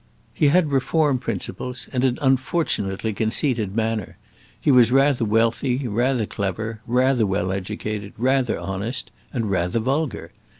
He had reform principles and an unfortunately conceited maimer; he was rather wealthy, rather clever, rather well educated, rather honest, and rather vulgar.